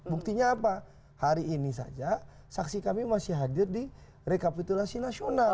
buktinya apa hari ini saja saksi kami masih hadir di rekapitulasi nasional